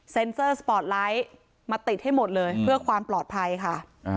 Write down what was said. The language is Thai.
เซอร์สปอร์ตไลท์มาติดให้หมดเลยเพื่อความปลอดภัยค่ะ